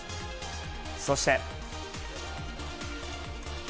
そして。